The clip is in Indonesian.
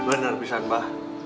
benar bisan bah